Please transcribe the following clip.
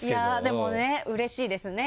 でもねうれしいですね